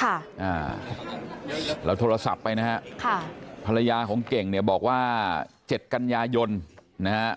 ค่ะอ่าเราโทรศัพท์ไปนะฮะค่ะภรรยาของเก่งเนี่ยบอกว่าเจ็ดกันยายนนะฮะ